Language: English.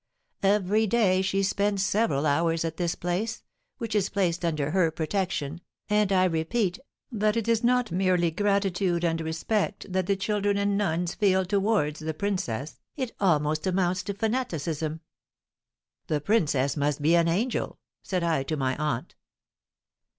Every day she spends several hours at this place, which is placed under her protection, and I repeat that it is not merely gratitude and respect that the children and nuns feel towards the princess, it almost amounts to fanaticism." "The princess must be an angel," said I to my aunt.